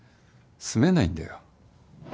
住めないんだよ。